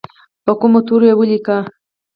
په کومو تورو لیکي؟